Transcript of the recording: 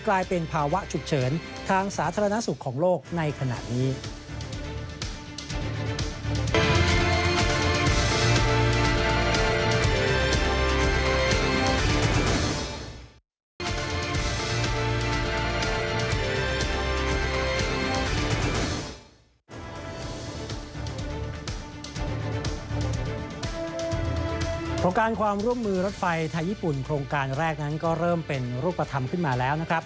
โครงการความร่วมมือรถไฟไทยญี่ปุ่นโครงการแรกนั้นก็เริ่มเป็นรูปธรรมขึ้นมาแล้วนะครับ